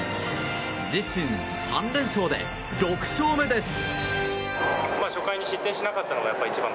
自身３連勝で６勝目です。